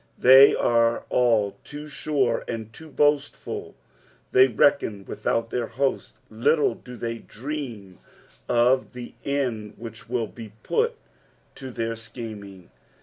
They are all too sure, and too bOBHtfu) ; they reckon without their host : little do they dream of the end which will be put to their scheming.